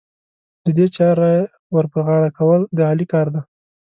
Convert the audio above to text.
د دې چارې ور پر غاړه کول، د علي کار دی.